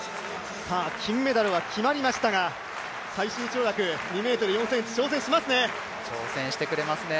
金メダルは決まりましたが最終跳躍２ｍ４ｃｍ挑戦しますね。